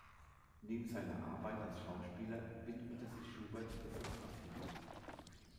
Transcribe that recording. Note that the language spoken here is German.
Neben seiner Arbeit als Schauspieler widmete sich Schubert der Fotografie.